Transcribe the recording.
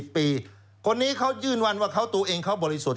คนนี้เขายื่นวันว่าเขาตัวเองเขาบริสุทธิ์